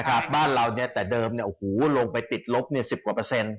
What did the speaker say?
ครับบ้านเราเนี่ยแต่เดิมเนี่ยโอ้โหลงไปติดลบเนี่ย๑๐กว่าเปอร์เซ็นต